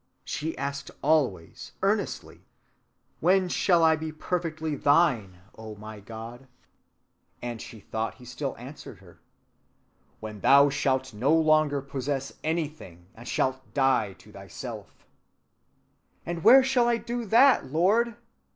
She asked always earnestly, 'When shall I be perfectly thine, O my God?' And she thought he still answered her, When thou shalt no longer possess anything, and shalt die to thyself. 'And where shall I do that, Lord?